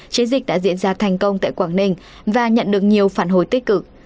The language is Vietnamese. chiến dịch đã diễn ra thành công tại quảng ninh và nhận được nhiều phản hồi tích cực